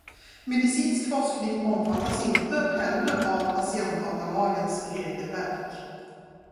Medicinsk forskning omfattas inte heller av patientdatalagens regelverk.